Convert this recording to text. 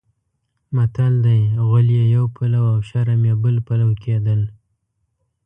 متل دی: غول یې یو پلو او شرم یې بل پلو کېدل.